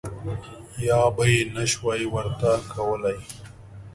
یا به یې نه شوای ورته کولای.